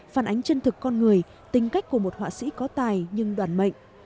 phản ánh chân thực con người tính cách của một họa sĩ có tài nhưng đoàn mệnh